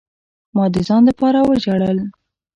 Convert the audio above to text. ما د ځان د پاره وجړل.